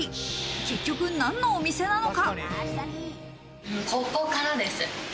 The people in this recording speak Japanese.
結局、何のお店なのか？